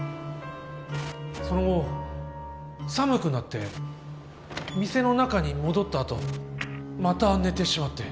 その後寒くなって店の中に戻った後また寝てしまって。